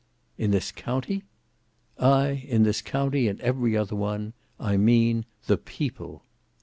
"In this county?" "Ay; in this county and every other one; I mean the PEOPLE."